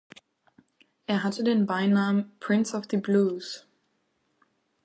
Er hatte den Beinamen „Prince of the Blues“.